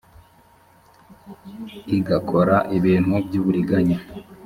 img akora ibintu by uburiganya